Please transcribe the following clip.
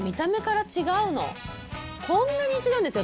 こんなに違うんですよ。